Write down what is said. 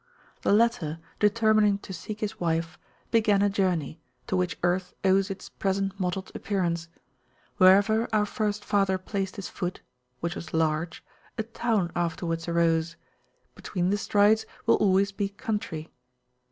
The latter, determining to seek his wife, began a journey, to which earth owes its present mottled appearance. Wherever our first father [p.189] placed his footwhich was largea town afterwards arose; between the strides will always be country.